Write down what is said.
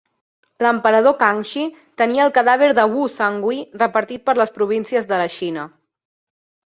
L'emperador Kangxi tenia el cadàver de Wu Sangui repartit per les províncies de la Xina.